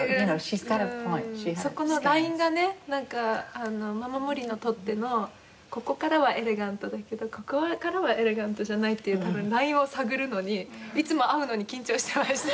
そこのラインがねなんかママ森にとってのここからはエレガントだけどここからはエレガントじゃないっていうラインを探るのにいつも会うのに緊張してました。